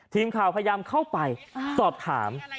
ทีมข่าวพยายามเข้าไปสอบถาม